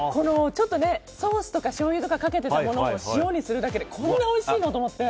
ソースとかしょうゆとかかけてたものを塩にするだけでこんなにおいしいの？と思って。